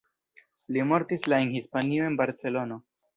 Li mortis la en Hispanio en Barcelono.